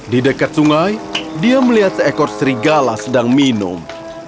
di dekat sungai dia melihat seekor serigala sedang minum